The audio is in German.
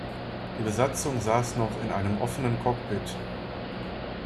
Die Besatzung saß noch in einem offenen Cockpit.